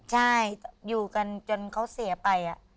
ใช่อยู่กันจนเขาเสียไป